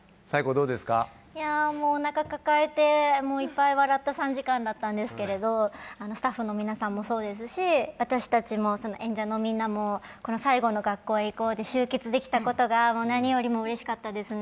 おなか抱えていっぱい笑った３時間だったんですけどスタッフの皆さんもそうですし、私たちも、演者のみんなもこの最後の「学校へ行こう！」で集結できたことが何よりもうれしかったですね。